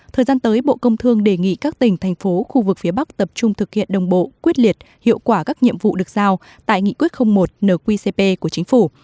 thời gian tới bộ công thương đề nghị các tỉnh thành phố khu vực phía bắc tập trung thực hiện đồng bộ quyết liệt hiệu quả các nhiệm vụ được giao tại nghị quyết một nqcp của chính phủ